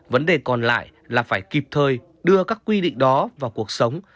vấn đề còn lại là phải kịp thời đưa các quy định đó vào cuộc sống